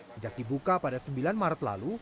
sejak dibuka pada sembilan maret lalu